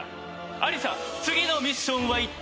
アリサ次のミッションは。